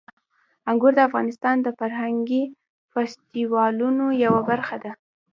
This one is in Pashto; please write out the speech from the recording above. انګور د افغانستان د فرهنګي فستیوالونو یوه برخه ده.